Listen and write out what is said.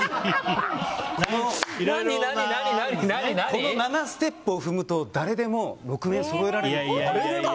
この７ステップを踏むと誰でも６面、そろえられると。